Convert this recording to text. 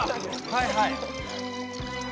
はいはい。